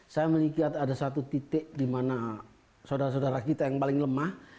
saya melihat ada satu titik di mana saudara saudara kita yang paling lemah